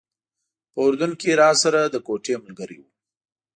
په اردن کې راسره د کوټې ملګری و.